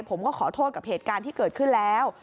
ผมก็ขอโทษกับเหตุการณ์ที่เกิดขึ้นแล้ว